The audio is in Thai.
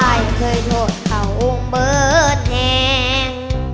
อ้ายเคยโทษเขาเบิร์ดแหง